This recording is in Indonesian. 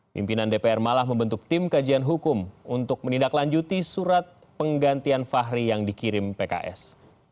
pimpinan dpr malah membentuk tim kajian hukum untuk menindaklanjuti surat penggantian fahri yang dikirim pks